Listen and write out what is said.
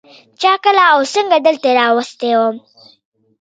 چا کله او څنگه دلته راوستى وم.